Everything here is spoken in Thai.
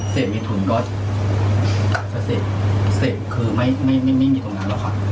เสบียทุนก็เสบคือไม่มีตรงนั้นหรอกค่ะ